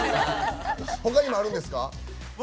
ほかにもあるんですか？